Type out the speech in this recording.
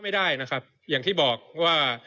ไม่ได้นะครับอย่างที่บอกว่า